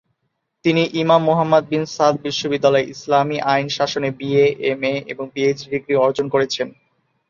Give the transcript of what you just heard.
তিনি Imam Muhammad bin Saud বিশ্ববিদ্যালয়ে Islamic আইন শাসনে বিএ, এমএ এবং পিএইচডি ডিগ্রি অর্জন করেছেন।